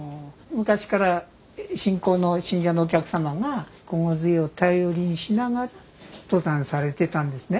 昔から信仰の信者のお客様が金剛杖を頼りにしながら登山されてたんですね。